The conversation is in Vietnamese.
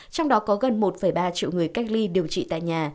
trong đó có gần một ba triệu người cách ly điều trị tại nhà